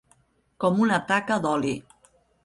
Com una taca d'oli.